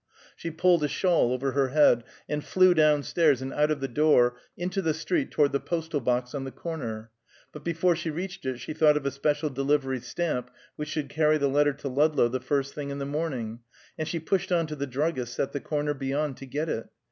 She pulled a shawl over her head and flew down stairs and out of the door into the street toward the postal box on the corner. But before she reached it she thought of a special delivery stamp, which should carry the letter to Ludlow the first thing in the morning, and she pushed on to the druggist's at the corner beyond to get it.